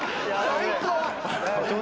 最高！